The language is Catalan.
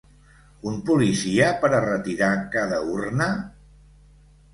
Un policia per a retirar cada urna?